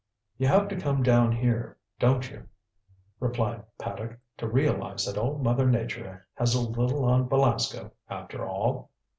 "You have to come down here, don't you," replied Paddock, "to realize that old Mother Nature has a little on Belasco, after all?"